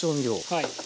はい。